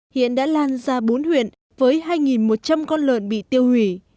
hiện đã lan ra bốn huyện với hai một trăm linh con lợn bị tiêu hủy